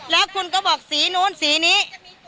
แล้วคุณก็บอกสีนู้นสีนี้